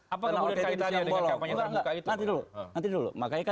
apa kemudian kaitannya dengan kek penyetaran muka itu pak